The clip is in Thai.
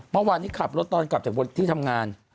เมื่อวานนี้ขับรถตอนกลับจากที่ทำงาน